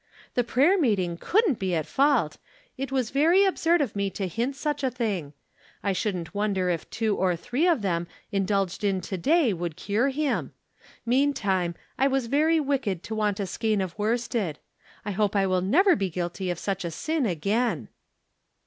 "The prayer meeting couldn't be at fault ; it was very absurd of me to hint such a thing; I shouldn't wonder if two or three of them indulged in to day would cure him. Mean time, I was very wicked to want a skein of worsted. I hope I wUl never be guilty of such a sin again."